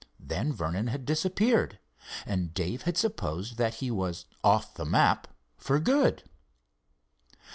Then Vernon had disappeared, and Dave had supposed that he was "off the map" for good.